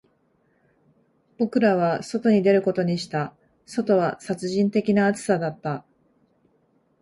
僕らは外に出ることにした、外は殺人的な暑さだった